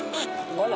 ほら。